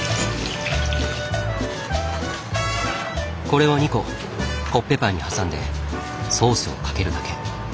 これを２個コッペパンにはさんでソースをかけるだけ。